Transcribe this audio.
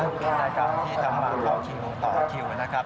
ในการที่ทำมาต่อคิวนะครับ